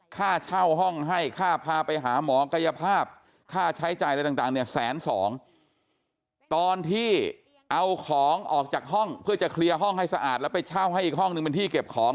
ค่าเช่าห้องให้ค่าพาไปหาหมอกายภาพค่าใช้จ่ายอะไรต่างเนี่ยแสนสองตอนที่เอาของออกจากห้องเพื่อจะเคลียร์ห้องให้สะอาดแล้วไปเช่าให้อีกห้องหนึ่งเป็นที่เก็บของ